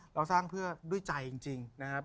เราสร้างเพื่อด้วยใจจริงนะครับ